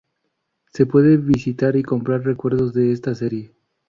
Se puede visitar y comprar recuerdos de esta serie.